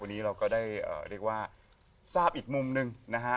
วันนี้เราก็ได้เรียกว่าทราบอีกมุมหนึ่งนะฮะ